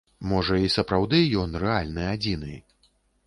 Можа, і сапраўды, ён рэальны адзіны?